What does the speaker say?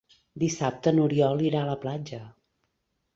Dissabte n'Oriol irà a la platja.